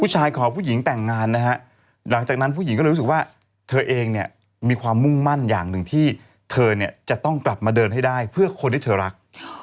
หลังจากนั้นผู้หญิงก็เลยรู้สึกว่าเธอเองมีความมุ่งมั่นอย่างหนึ่งที่เธอจะต้องกลับมาเดินให้ได้เพื่อคนที่เธอรัก